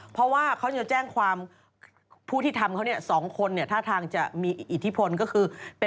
เพราะว่าเขาจะแจ้งความผู้ที่ทำเขาเนี่ย๒คนเนี่ยท่าทางจะมีอิทธิพลก็คือเป็น